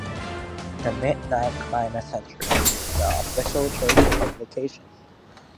"The Midnight Cry Messenger" is the official church publication.